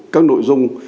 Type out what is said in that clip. các nội dung